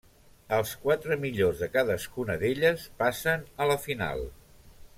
Els quatre millors de cadascuna d'elles passen a la final.